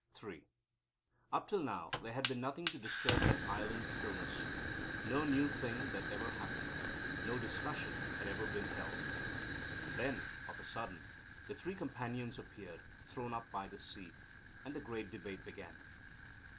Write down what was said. III Up till now there had been nothing to disturb that island stillness. No new thing had ever happened. No discussion had ever been held. And then, of a sudden, the Three Companions appeared, thrown up by the sea, and the Great Debate began.